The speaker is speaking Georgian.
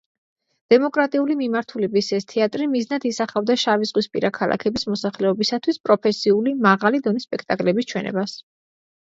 დემოკრატიული მიმართულების ეს თეატრი მიზნად ისახავდა შავიზღვისპირა ქალაქების მოსახლეობისათვის პროფესიული, მაღალი დონის სპექტაკლების ჩვენებას.